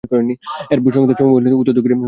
এর ভূসংস্থান সমভূমি হলেও উত্তর দক্ষিণে কিছুটা ঢালু।